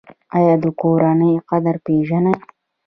ایا د کورنۍ قدر پیژنئ؟